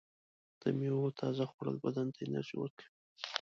د میوو تازه خوړل بدن ته انرژي ورکوي.